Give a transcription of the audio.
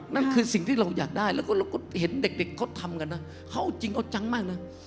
นั่นคือสิ่งที่เราอยากได้แล้วก็เราก็เห็นเด็กเขาทำกันนะเขาเอาจริงเอาจังมากนะ